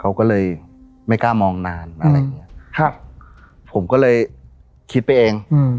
เขาก็เลยไม่กล้ามองนานอะไรอย่างเงี้ยครับผมก็เลยคิดไปเองอืม